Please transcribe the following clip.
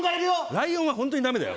ライオンはホントにダメだよ